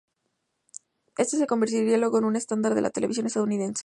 Este se convertiría luego en el estándar de la televisión estadounidense.